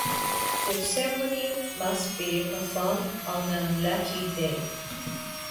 The ceremony must be performed on a lucky day.